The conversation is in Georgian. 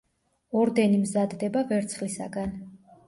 ორდენი მზადდება ვერცხლისაგან.